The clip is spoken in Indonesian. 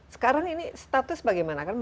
sekarang ini status bagaimana